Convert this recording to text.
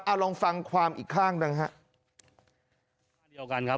เอาลองฟังความอีกข้างหนึ่งฮะ